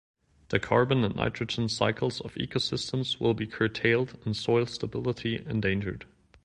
The carbon and nitrogen cycles of ecosystems will be curtailed and soil stability endangered.